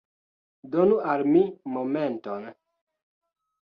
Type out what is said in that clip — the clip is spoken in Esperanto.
Donu al mi momenton!